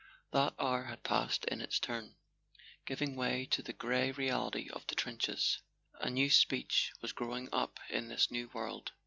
That hour had passed in its turn, giving way to the grey reality of the trenches. A new speech was grow¬ ing up in this new world.